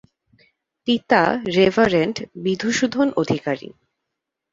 পিতা রেভারেন্ড বিধুভূষণ অধিকারী।